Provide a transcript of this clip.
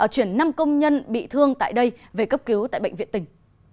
chuyển năm công nhân bị thương tại đây về cấp cứu tại bệnh viện tỉnh